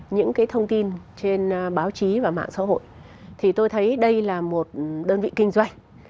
những thông tin trên báo chí và mạng xã hội tôi thấy đây là một đơn vị kinh doanh